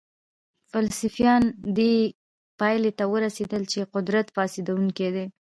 فلسفیانو دې پایلې ته ورسېدل چې قدرت فاسدونکی دی.